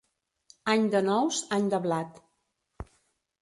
Any de nous, any de blat.